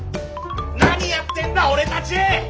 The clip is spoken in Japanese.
何やってんだおれたち！